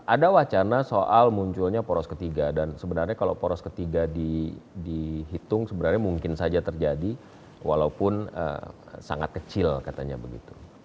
ada wacana soal munculnya poros ketiga dan sebenarnya kalau poros ketiga dihitung sebenarnya mungkin saja terjadi walaupun sangat kecil katanya begitu